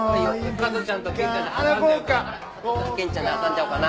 加トちゃんとけんちゃんで挟んじゃおうかな。